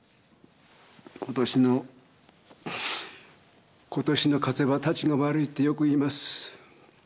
「今年の今年の風邪はタチが悪い」ってよく言います。